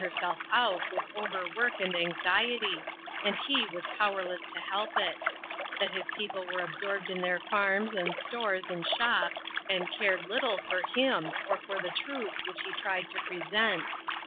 herself out with over work and anxiety, and he was powerless to help it ; that his peo ple were absorbed in their farms, and stores, and shops, and cared little for him, or for the truths which he tried to present.